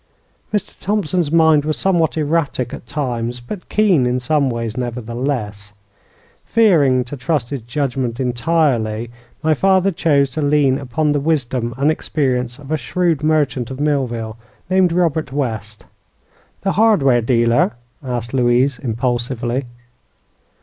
Mr. Thompson's mind was somewhat erratic at times, but keen in some ways, nevertheless. Fearing to trust his judgment entirely, my father chose to lean upon the wisdom and experience of a shrewd merchant of Millville, named Robert West." "The hardware dealer?" asked Louise, impulsively.